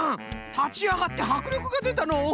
たちあがってはくりょくがでたのう。